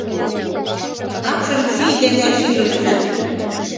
Капшым ший ден шийлышна